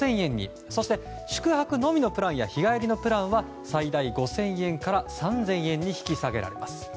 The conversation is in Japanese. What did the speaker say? そして宿泊のみのプランや日帰りのプランは最大５０００円から３０００円に引き下げられます。